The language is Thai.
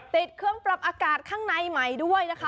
ติดเครื่องปรับอากาศในใหม่ด้วย